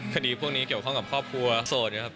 คดีพวกนี้เกี่ยวข้องกับครอบครัวโสดนะครับ